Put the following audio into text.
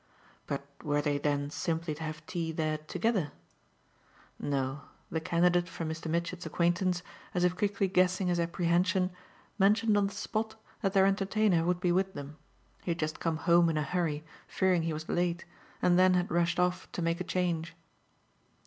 But were they then simply to have tea there together? No; the candidate for Mr. Mitchett's acquaintance, as if quickly guessing his apprehension, mentioned on the spot that their entertainer would be with them: he had just come home in a hurry, fearing he was late, and then had rushed off to make a change.